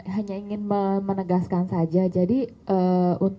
hanya ingin menegaskan saja jadi untuk ride hailing apps ini